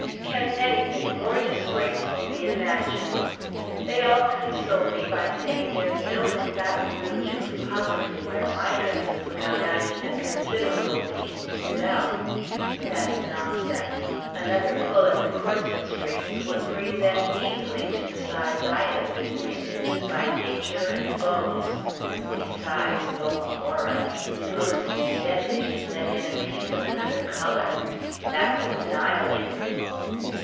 Can anything more disgraceful be imagined? They all console me by saying there is no one in Baton Rouge who could possibly wear my dresses without adding a considerable piece to the belt. But that is nonsense. Another pull at the corset strings would bring them easily to the size I have been reduced by nature and bones. Besides, O horror! Suppose, instead, they should let in a piece of another color? That would annihilate me!